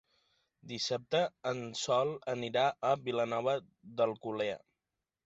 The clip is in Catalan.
Dissabte en Sol anirà a Vilanova d'Alcolea.